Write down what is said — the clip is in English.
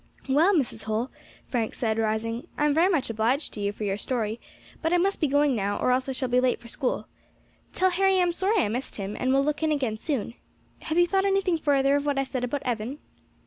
"Well, Mrs. Holl," Frank said, rising, "I am very much obliged to you for your story; but I must be going now, or else I shall be late for school. Tell Harry I am sorry I missed him, and will look in again soon. Have you thought anything further of what I said about Evan?"